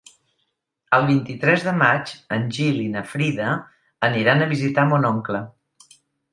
El vint-i-tres de maig en Gil i na Frida aniran a visitar mon oncle.